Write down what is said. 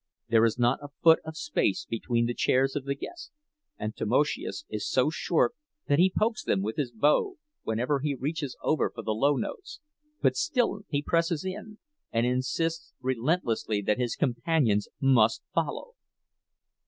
There is not a foot of space between the chairs of the guests, and Tamoszius is so short that he pokes them with his bow whenever he reaches over for the low notes; but still he presses in, and insists relentlessly that his companions must follow.